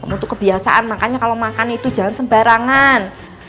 kamu tuh kebiasaan makanya kalo makan itu jangan sembarangan